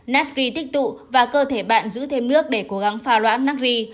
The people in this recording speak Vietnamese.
natchi tích tụ và cơ thể bạn giữ thêm nước để cố gắng pha loãn natchi